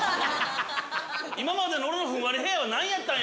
今までの俺のふんわりヘアは何やったんや。